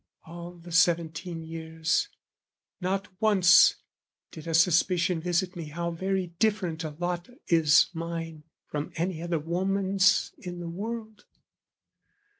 All the seventeen years, Not once did a suspicion visit me How very different a lot is mine From any other woman's in the world.